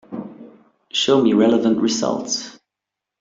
Show me relevant results.